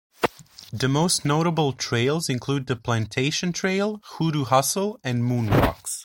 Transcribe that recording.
The most notable trails include the Plantation Trail, Hoo Doo Hustle and Moon Rocks.